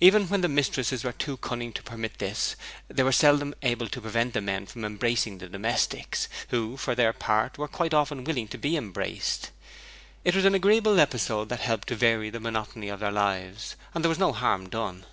Even when the mistresses were too cunning to permit of this, they were seldom able to prevent the men from embracing the domestics, who for their part were quite often willing to be embraced; it was an agreeable episode that helped to vary the monotony of their lives, and there was no harm done.